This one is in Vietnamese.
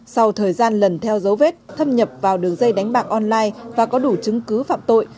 sau thời gian lần theo dấu vết thâm nhập vào đường dây đánh bạc online và có đủ chứng cứ phạm tội